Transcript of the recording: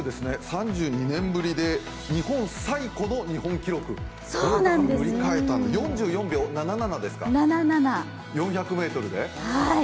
３２年ぶりで日本最古の日本記録を塗り替えた４４秒７７ですか、４００ｍで？